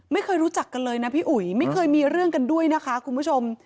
ไม่เคยรู้จักกันเลยนะพี่อุ๋ยไม่เคยมีเรื่องกันด้วยนะคะคุณผู้ชม